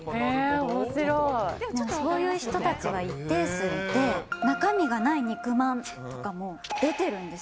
そういう人たちは一定数いて、中身がない肉まんとかも出てるんです。